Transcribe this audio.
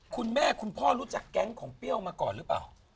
คุณพ่อรู้จักแก๊งของเปรี้ยวมาก่อนหรือเปล่า